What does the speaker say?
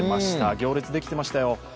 行列できてましたよ。